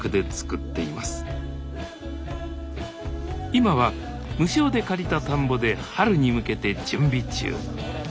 今は無償で借りた田んぼで春に向けて準備中。